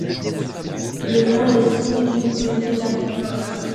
Le mot est synonyme de milanais.